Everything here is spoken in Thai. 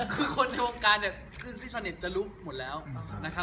คือคนในวงการเนี่ยที่สนิทจะรู้หมดแล้วนะครับ